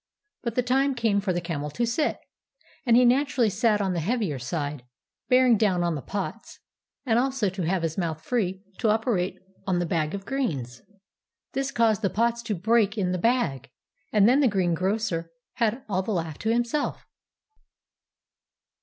But the time came for the camel to sit, and he naturally sat on the heavier side, bearing down on the pots, and also to have his mouth free to operate on the bag of greens. This caused the pots to break in the bag, and then the greengrocer had all the laugh to himself.